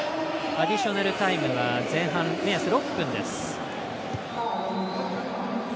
アディショナルタイムは前半目安６分です。